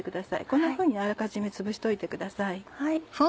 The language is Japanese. こんなふうにあらかじめつぶしておいてください。